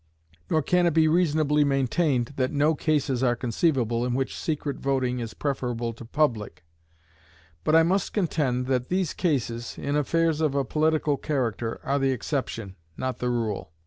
Nor can it be reasonably maintained that no cases are conceivable in which secret voting is preferable to public; but I must contend that these cases, in affairs of a political character, are the exception, not the rule.